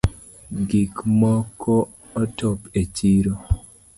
Gik mokootop e chiro